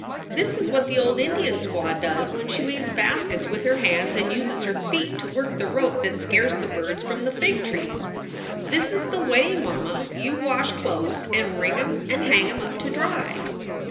This is what the old Indian squaw does when she weaves baskets with her hands and uses her feet to work the rope that scares the birds from the fig trees. This is the way, mamma, you wash clo es and wring em and hang em up to dry."